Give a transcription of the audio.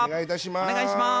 お願いいたします。